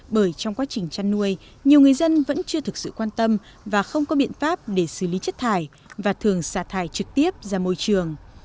bởi trong quá trình chăn nuôi nhiều người dân vẫn chưa thực sự quan tâm và không có biện pháp để xử lý chất thải và thường xả thải trực tiếp ra môi trường